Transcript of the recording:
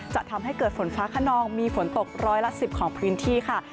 จะทำให้เกิดฝนฟ้าขนองมีฝนตกร้อยละ๑๐ของพื้นที่ค่ะ